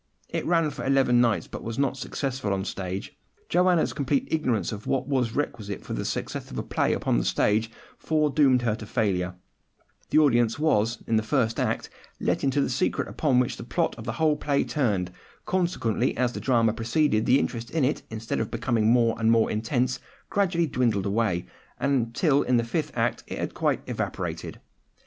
It ran for eleven nights, but it was not successful on the stage. Joanna's complete ignorance of what was requisite for the success of a play upon the stage foredoomed her to failure; the audience was, in the first act, let into the secret upon which the plot of the whole play turned, consequently as the drama proceeded the interest in it, instead of becoming more and more intense, gradually dwindled away, until in the fifth act it had quite evaporated.